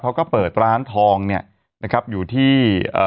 เขาก็เปิดร้านทองเนี่ยอยู่ที่